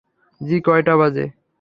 জ্বি কয়টা বাজে?